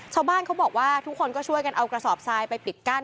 ชาวบ้านเขาบอกว่าทุกคนก็ช่วยกันเอากระสอบทรายไปปิดกั้น